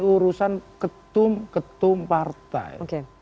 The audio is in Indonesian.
urusan ketum ketum partai